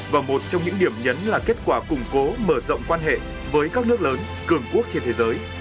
và một trong những điểm nhấn là kết quả củng cố mở rộng quan hệ với các nước lớn cường quốc trên thế giới